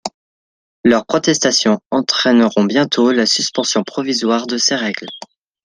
Leurs protestations entraîneront bientôt la suspension provisoire de ces règles.